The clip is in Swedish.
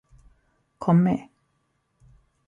Kom med.